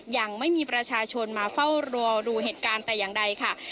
ยังไม่มีประชาชนมาเฝ้ารอดูเหตุการณ์แต่อย่างใดค่ะ